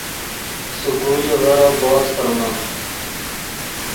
سکول لیڤور بود ڤرمے